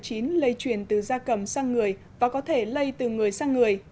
virus cuốm a h bảy n chín lây chuyển từ da cầm sang người và có thể lây từ người sang người